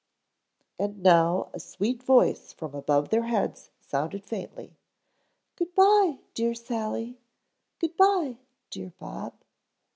And now a sweet voice from above their heads sounded faintly, "Good bye, dear Sally! Good bye, dear Bob."